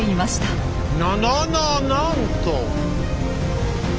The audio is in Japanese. ななななんと！